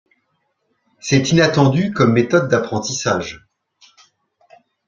C'est inattendu comme méthode d'apprentissage.